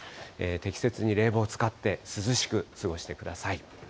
適切に冷房を使って涼しく過ごしてください。